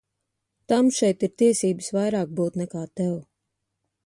Tam šeit ir tiesības vairāk būt nekā tev.